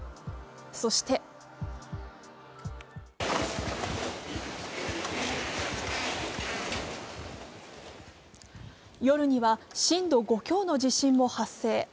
そして夜には震度５強の地震も発生。